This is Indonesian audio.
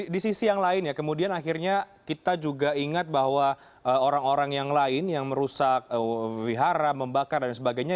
di sisi yang lain ya kemudian akhirnya kita juga ingat bahwa orang orang yang lain yang merusak wihara membakar dan sebagainya